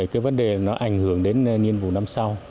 cái vấn đề nó ảnh hưởng đến nhiên vụ năm sau